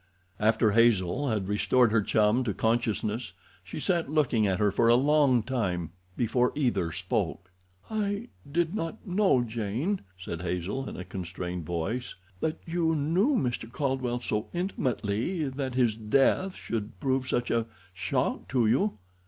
After Hazel had restored her chum to consciousness she sat looking at her for a long time before either spoke. "I did not know, Jane," said Hazel, in a constrained voice, "that you knew Mr. Caldwell so intimately that his death could prove such a shock to you."